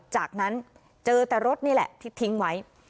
จากนั้นเจอแต่รถนี่แหละที่ทิ้งไว้